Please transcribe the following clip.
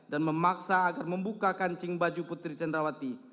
dan memaksa agar membuka kancing baju putri candrawati